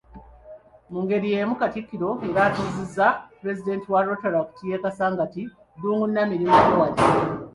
Mu ngeri yeemu, Katikkiro era atuuzizza pulezidenti wa Rotaract ye Kasangati Ddungu Namirimu Joana.